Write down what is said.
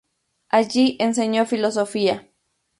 Allí enseñó filosofía.